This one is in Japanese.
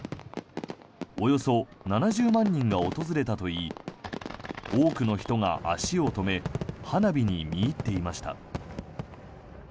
およそ７０万人が訪れたといい多くの人が足を止め花火に見入っていました。